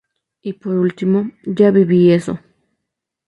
Y por ultimo, ya viví eso!.